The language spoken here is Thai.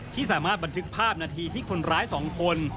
ที่สามารถบันทึกภาพนาทีที่คนร้าย๒คน